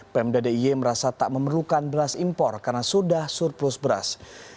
pemda d i e merasa tak memerlukan beras impor karena sudah surplus beras